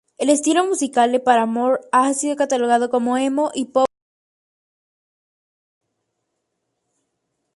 El estilo musical de Paramore ha sido catalogado como "emo" y "pop punk".